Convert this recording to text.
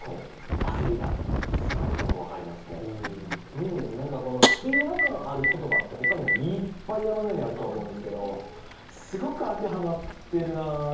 うん何かこのスピード感ある言葉ってほかにもいっぱい山のようにあるとは思うんですけどすごく当てはまってるなって。